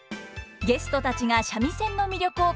ゲストたちが三味線の魅力を語ります！